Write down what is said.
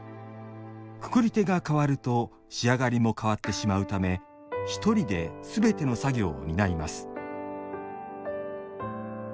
くくり手が変わると仕上がりも変わってしまうためひとりですべての作業を担います